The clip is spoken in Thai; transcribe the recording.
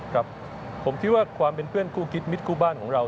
ครับผมคิดว่าความเป็นเพื่อนคู่คิดมิตรคู่บ้านของเรา